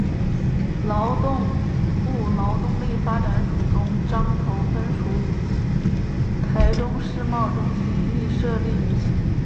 劳动部劳动力发展署中彰投分署与台中世贸中心亦设立于此。